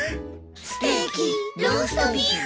ステーキローストビーフ。